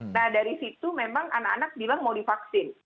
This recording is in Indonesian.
nah dari situ memang anak anak bilang mau divaksin